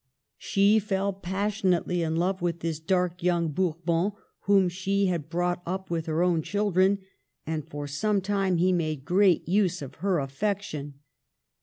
She fell passion ately in love with this dark young Bourbon whom she had brought up with her own chil dren, and for some time he made great use of her affection.